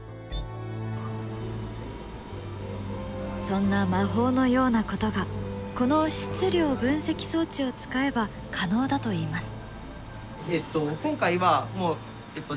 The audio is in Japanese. そんな魔法のようなことがこの質量分析装置を使えば可能だといいます。